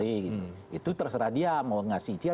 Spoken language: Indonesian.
itu terserah dia mau ngasih izin atau tidak